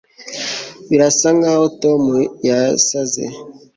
birasa nkaho tom yasaze